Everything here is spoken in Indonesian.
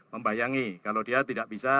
membayangi kalau dia tidak bisa